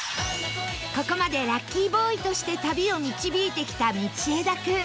ここまでラッキーボーイとして旅を導いてきた道枝君